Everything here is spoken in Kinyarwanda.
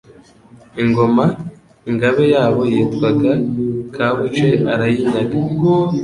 Ingoma –ngabe yabo yitwaga Kabuce arayinyaga.